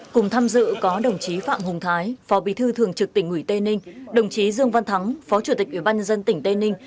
cùng tham dự có đồng chí phạm hùng thái phó bì thư thường trực tỉnh ủy tây ninh đồng chí dương văn thắng phó chủ tịch ủy ban nhân dân tỉnh tây ninh